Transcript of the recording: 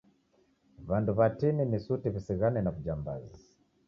W'andu w'atini ni suti w'isighane na w'ujambazi.